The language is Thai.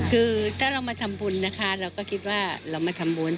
คือถ้าเรามาทำบุญนะคะเราก็คิดว่าเรามาทำบุญ